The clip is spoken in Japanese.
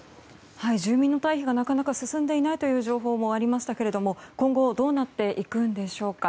住民の退避がなかなか進んでいないという情報もありましたけれども今後どうなっていくんでしょうか。